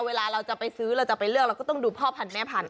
เวลาเราจะไปซื้อเราจะไปเลือกเราก็ต้องดูพ่อพันธุแม่พันธ